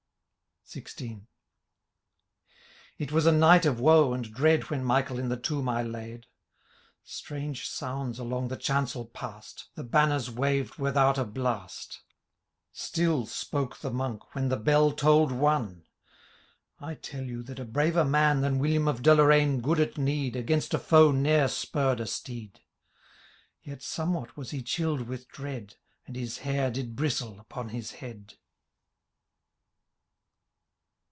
XVI, •* It was a night of woe and dread. When Michael in the tomb I laid ! Strange sounds along the chancel pass'd. The banners waved without a blast'* — .—Still spoke the Monk, when the bell toU'd one I . I tell you, that a braver man Than William of Deloraine, good at need. Against a foe ne'er spurr'd a steed ; Yet somewhat was he chill'd with dread, . And his hair did bristle upon his head.